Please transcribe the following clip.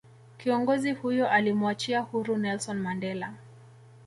kiongozi huyo alimuachia huru Nelson Mandela